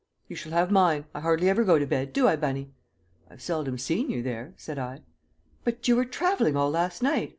"You shall have mine. I hardly ever go to bed do I, Bunny?" "I've seldom seen you there," said I. "But you were travelling all last night?"